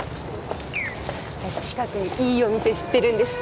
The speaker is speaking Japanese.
私近くにいいお店知ってるんです